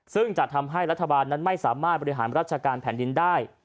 ซึ่งจะทำให้รัฐบาลนั้นไม่สามารถบริหารราชการแผ่นดินได้